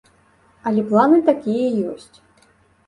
Але планы такія ёсць.